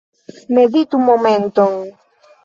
Meditu momenton.